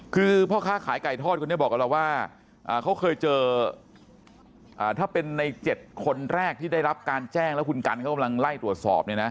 คือพ่อค้าขายไก่ทอดคนนี้บอกกับเราว่าเขาเคยเจอถ้าเป็นใน๗คนแรกที่ได้รับการแจ้งแล้วคุณกันเขากำลังไล่ตรวจสอบเนี่ยนะ